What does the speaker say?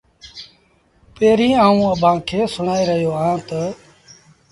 پيريٚݩ آئوٚنٚ اڀآنٚ کي سُڻآئي رهيو اهآنٚ تا